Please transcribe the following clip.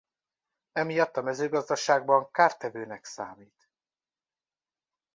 Emiatt a mezőgazdaságban kártevőnek számít.